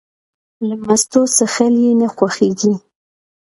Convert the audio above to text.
له مستو څښل یې نه خوښېږي.